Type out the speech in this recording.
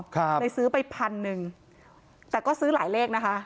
เลยซื้อไปพันหนึ่งแต่ก็ซื้อหลายเลขนะคะ